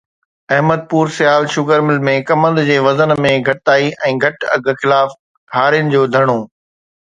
احمد پور Sial sugar mill ۾ ڪمند جي وزن ۾ گهٽتائي ۽ گهٽ اگهه خلاف هارين جو ڌرڻو